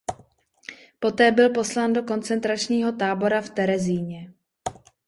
Poté byl poslán do koncentračního tábora v Terezíně.